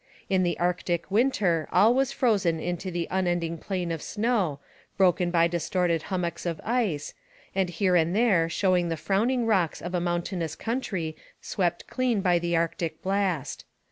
In the Arctic winter all was frozen into an unending plain of snow, broken by distorted hummocks of ice, and here and there showing the frowning rocks of a mountainous country swept clean by the Arctic blast.